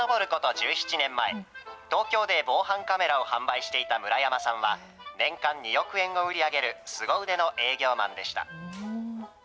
１７年前、東京で防犯カメラを販売していた村山さんは、年間２億円を売り上げるすご腕の営業マンでした。